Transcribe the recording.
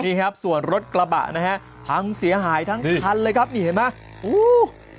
นี่ครับส่วนรถกระบะนะฮะพังเสียหายทั้งคันเลยครับนี่เห็นไหมอู้